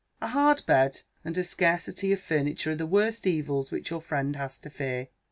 A hard bed and a scarcity of furniture are the worst evils which your friend has to fear.